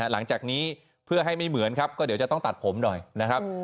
หลังจากนี้เพื่อให้ไม่เหมือนครับก็เดี๋ยวจะต้องตัดผมหน่อยนะครับ